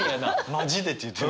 「マジで」って言ってる。